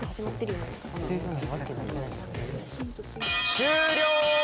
終了。